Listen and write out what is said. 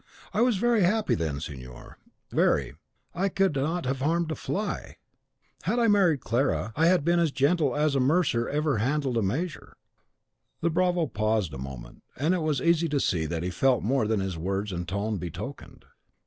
I was very happy then, signor, very, I could not have harmed a fly! Had I married Clara, I had been as gentle a mercer as ever handled a measure." The bravo paused a moment, and it was easy to see that he felt more than his words and tone betokened.